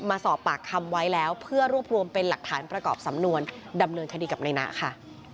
มาสอบปากคำไว้แล้วเพื่อรวบรวมเป็นหลักฐานประกอบสำนวนดำเนินคดีกับนายนะค่ะ